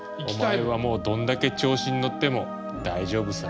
お前はもうどんだけ調子に乗っても大丈夫さ。